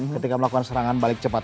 ketika melakukan serangan balik cepat